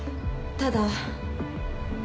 ただ？